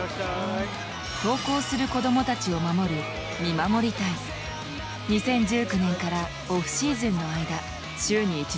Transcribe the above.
登校する子どもたちを守る２０１９年からオフシーズンの間週に１度行っている。